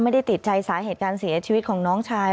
ไม่ได้ติดใจสาเหตุการเสียชีวิตของน้องชาย